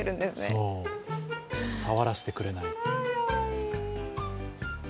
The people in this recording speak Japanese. そう、触らせてくれない。